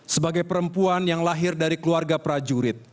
sebagai perempuan yang lahir dari keluarga prajurit